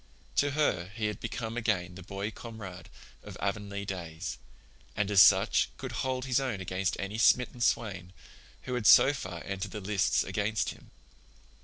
To her he had become again the boy comrade of Avonlea days, and as such could hold his own against any smitten swain who had so far entered the lists against him.